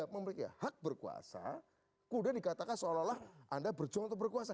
memiliki hak berkuasa kemudian dikatakan seolah olah anda berjuang untuk berkuasa